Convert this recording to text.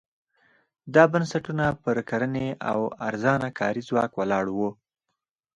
دا بنسټونه پر کرنې او ارزانه کاري ځواک ولاړ وو.